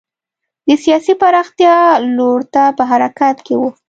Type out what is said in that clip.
د سیاسي پراختیا لور ته په حرکت کې و.